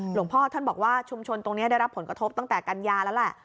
หลวงพ่อท่านบอกว่าชุมชนตรงนี้ได้รับผลกระทบตั้งแต่กันยาแล้วแหละ